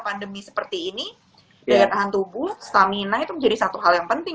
pandemi seperti ini pilih tangan tubuh stabil taijung jadi satu hal yang penting